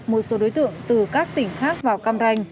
một số đối tượng từ các tỉnh khác vào cam ranh